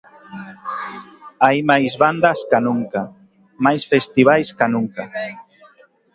Hai máis bandas ca nunca, máis festivais ca nunca.